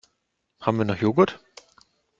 Haben wir noch Joghurt?